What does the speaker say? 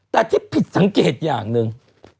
แต่ที่ผิดสังเกตอย่างหนึ่ง